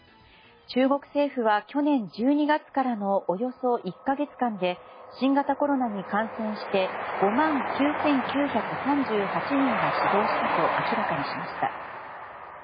中国政府は去年１２月からのおよそ１か月間で新型コロナに感染して５万９９３８人が死亡したと明らかにしました。